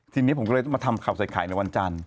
ทีนี้ผมก็เลยต้องมาทำข่าวใส่ไข่ในวันจันทร์